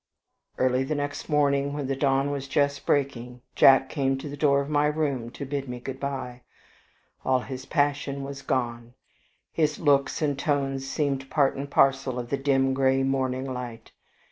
Early the next morning, when the dawn was just breaking, Jack came to the door of my room to bid me good by. All his passion was gone. His looks and tones seemed part and parcel of the dim gray morning light.